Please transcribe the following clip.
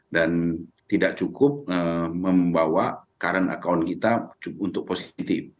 dan tidak cukup membawa current account kita untuk positif